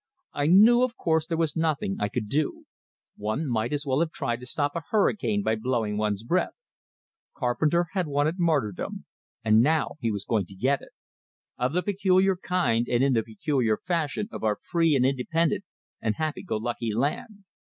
I knew, of course, there was nothing I could do; one might as well have tried to stop a hurricane by blowing one's breath. Carpenter had wanted martyrdom, and now he was going to get it of the peculiar kind and in the peculiar fashion of our free and independent and happy go lucky land.